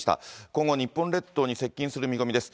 今後、日本列島に接近する見込みです。